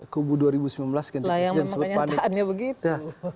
kubu dua ribu sembilan belas ganti presiden